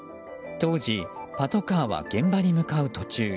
当時パトカーは現場に向かう途中。